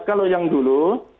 kalau yang dulu